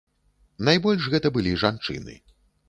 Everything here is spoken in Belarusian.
Найбольш гэта былі жанчыны.